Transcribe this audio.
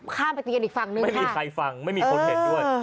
ข้ามไปตีกันอีกฝั่งนึงไม่มีใครฟังไม่มีคนเห็นด้วย